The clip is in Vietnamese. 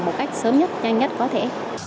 một cách sớm nhất nhanh nhất có thể